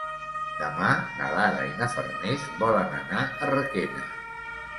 Demà na Lara i na Farners volen anar a Requena.